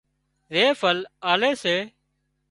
زي ڦل آلي سي